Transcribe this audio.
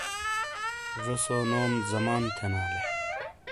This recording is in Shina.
جوسو نوم زمان تھینالے